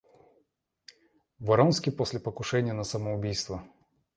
Вронский после покушения на самоубийство.